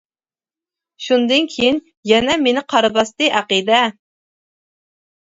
شۇندىن كىيىن يەنە مېنى قارا باستى، ئەقىدە!